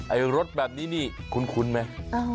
รถแบบนี้นี่คุ้นไหม